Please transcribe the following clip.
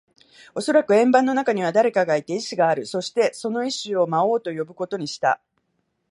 おそらく円盤の中には誰かがいて、意志がある。そして、その意思を魔王と呼ぶことにした。